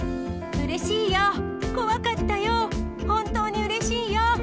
うれしいよー、怖かったよー、本当にうれしいよー。